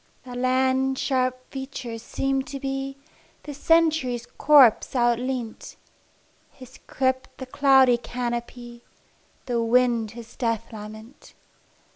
The land's sharp features seemed to me The Century's corpse outleant, Its crypt the cloudy canopy, The wind its death lament.